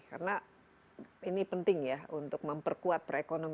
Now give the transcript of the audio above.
karena ini penting ya untuk memperkuat perekonomian